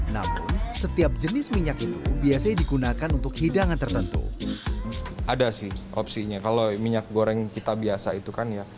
namun setiap jenis minyak itu biasa digunakan untuk hidangan tertentu